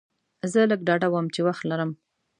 زه لږ ډاډه وم چې وخت لرم.